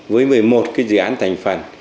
với một mươi một cái dự án thành phần